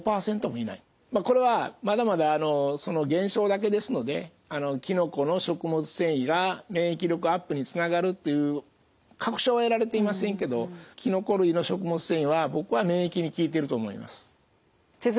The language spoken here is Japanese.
これはまだまだその現象だけですのできのこの食物繊維が免疫力アップにつながるっていう確証は得られていませんけどきのこ類の食物繊維は僕は免疫に効いてると思います。